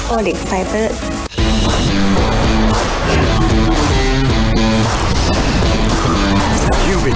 โอลิคไฟเบอร์